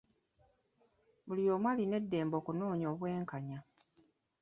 Buli omu alina eddembe okunoonya obwenkanya.